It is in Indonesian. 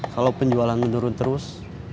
kalau penjualan menurun terus